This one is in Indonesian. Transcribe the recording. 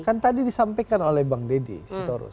kan tadi disampaikan oleh bang deddy sitorus